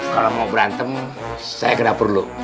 kalau mau berantem saya ke dapur dulu